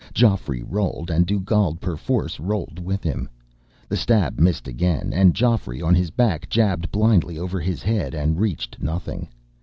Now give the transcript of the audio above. Geoffrey rolled, and Dugald perforce rolled with him. The stab missed again, and Geoffrey, on his back, jabbed blindly over his head and reached nothing.